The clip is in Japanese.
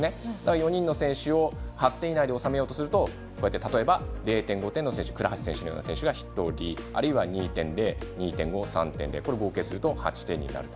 ４人の選手を８点以内で収めようとするとこうやって例えば０．５点の選手倉橋選手のような選手が１人、あるいは２．０２．５、３．５合計すると８点になると。